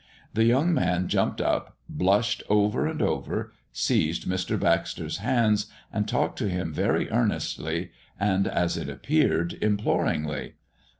The young man jumped up, blushed over and over, seized Mr. Baxter's hands, and talked to him very earnestly, and, as it appeared, imploringly.